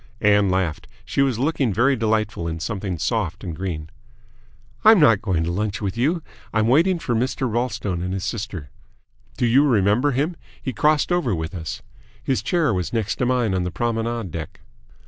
Ann laughed. She was looking very delightful in something soft and green. "I'm not going to lunch with you. I'm waiting for Mr. Ralstone and his sister. Do you remember him? He crossed over with us. His chair was next to mine on the promenade deck."